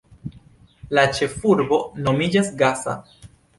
La ĉefurbo nomiĝas Gasa.